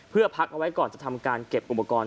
เพื่อพักเอาไว้ก่อนเก็บอุปกรณ์